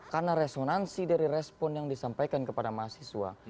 karena resonansi dari respon yang disampaikan kepada mahasiswa